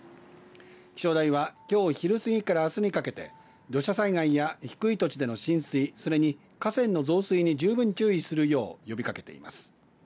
気象台はきょう昼過ぎからあすにかけて土砂災害や低い土地での浸水それに河川の増水に十分注意するよう呼びかけています。